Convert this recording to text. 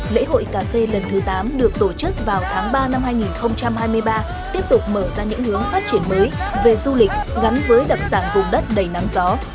lễ hội cà phê lần thứ tám được tổ chức vào tháng ba năm hai nghìn hai mươi ba tiếp tục mở ra những hướng phát triển mới về du lịch gắn với đặc sản vùng đất đầy nắng gió